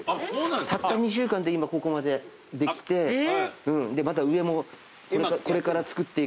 たった２週間で今ここまでできてまだ上もこれから作っていく。